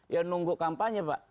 ya nunggu kampanye pak